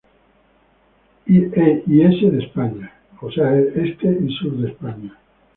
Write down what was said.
E y S de España.